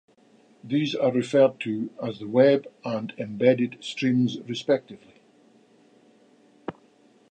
These are referred to as the 'web' and 'embedded' streams, respectively.